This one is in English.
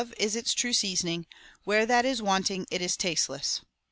is its true seasoning, where that is wanting it is tasteless.